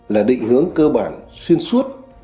là định hướng cơ bản xuyên suốt